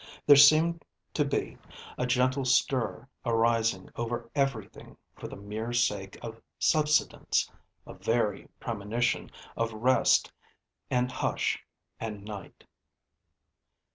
There seemed to be a gentle stir arising over everything, for the mere sake of subsidence a very premonition of rest and hush and night.